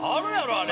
あれ。